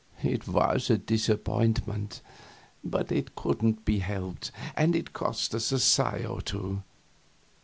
It was a disappointment, but it couldn't be helped, and it cost us a sigh or two.